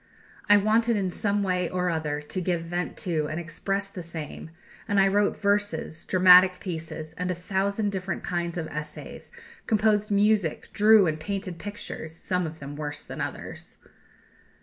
I wanted in some way or other to give vent to and express the same; and I wrote verses, dramatic pieces, and a thousand different kinds of essays; composed music, drew and painted pictures, some of them worse than others."